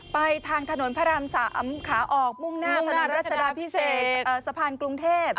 ไปทางถนนพระราม๓ขาออกมุ่งหน้าถนนรัชดาพิเศษสะพานกรุงเทพ